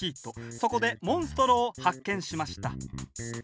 そこでモンストロを発見しました。